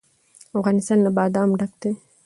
افغانستان له بادام ډک دی.